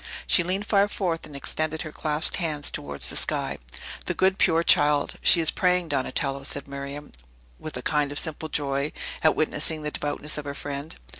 She leaned far forth, and extended her clasped hands towards the sky. "The good, pure child! She is praying, Donatello," said Miriam, with a kind of simple joy at witnessing the devoutness of her friend.